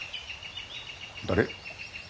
誰？